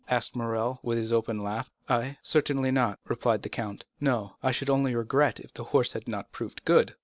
asked Morrel, with his open laugh. "I? Certainly not," replied the count. "No; I should only regret if the horse had not proved good."